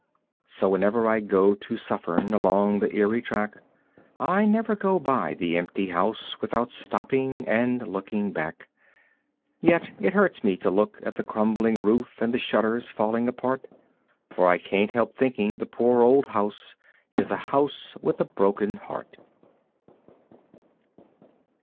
So whenever I go to Suffern along the Erie track I never go by the empty house without stopping and looking back, Yet it hurts me to look at the crumbling roof and the shutters fallen apart, For I can't help thinking the poor old house is a house with a broken heart.